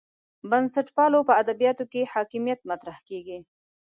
بنسټپالو په ادبیاتو کې حاکمیت مطرح کېږي.